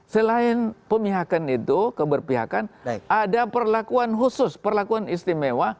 selain pemihakan itu keberpihakan ada perlakuan khusus perlakuan istimewa